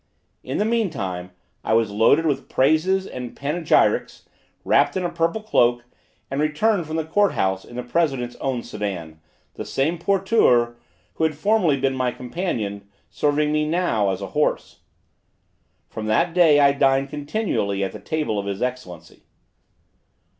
In the meantime, I was loaded with praises and panegyrics, wrapped in a purple cloak, and returned from the court house in the president's own sedan, the same porteur, who had formerly been my companion, serving me now as a horse. From that day I dined continually at the table of his Excellency.